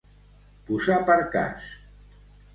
Posar per cas.